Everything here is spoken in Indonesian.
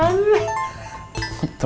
ketemu bokapnya nadia